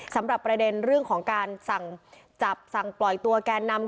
สำหรับประเด็นเรื่องของการสั่งจับสั่งปล่อยตัวแกนนำ